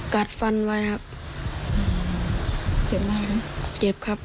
กัดฟันไว้ครับเจ็บมากครับเจ็บครับ